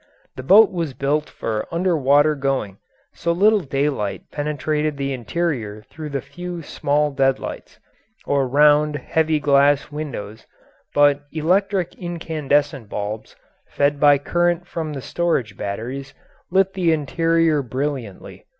The boat was built for under water going, so little daylight penetrated the interior through the few small deadlights, or round, heavy glass windows, but electric incandescent bulbs fed by current from the storage batteries lit the interior brilliantly.